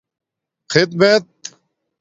خدمت